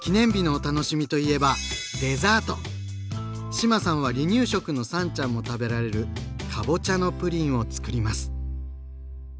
志麻さんは離乳食のさんちゃんも食べられる「かぼちゃのプリン」をつくります。